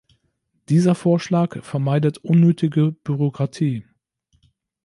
Dieser Vorschlag vermeidet unnötige Bürokratie.